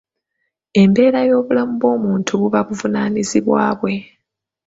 Embeera y'obulamu bw'omuntu buba buvunaanyizibwa bwe.